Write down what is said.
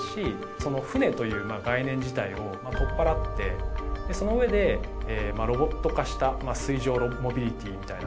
その船という概念自体を取っ払ってそのうえでロボット化した水上モビリティみたいな。